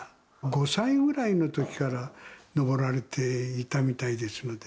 ５歳ぐらいのときから登られていたみたいですので。